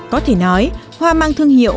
có thể nói hoa mang thương hiệu